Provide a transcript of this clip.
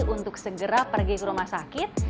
untuk segera pergi ke rumah sakit